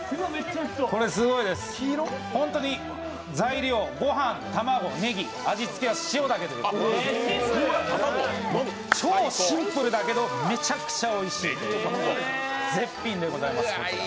これすごいです、ホントに材料ご飯、ねぎ、卵、味つけは塩だけという超シンプルだけどめちゃくちゃおいしい、絶品でございます。